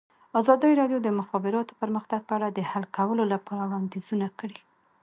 ازادي راډیو د د مخابراتو پرمختګ په اړه د حل کولو لپاره وړاندیزونه کړي.